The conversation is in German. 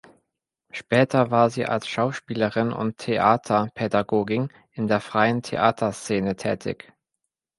Später war sie als Schauspielerin und Theaterpädagogin in der freien Theaterszene tätig.